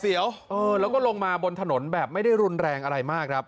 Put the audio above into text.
แล้วก็ลงมาบนถนนแบบไม่ได้รุนแรงอะไรมากครับ